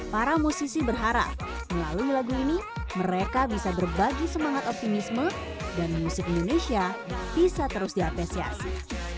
para musisi berharap melalui lagu ini mereka bisa berbagi semangat optimisme dan musik indonesia bisa terus diapresiasi